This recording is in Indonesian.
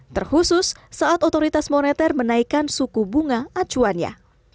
terkhusus saat otoritas moneter menaikkan suku bunga acuannya